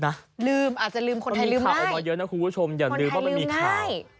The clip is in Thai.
นะลืมอาจจะลืมคนไทยลืมมาเยอะนะคุณผู้ชมอย่าลืมว่ามีข่าว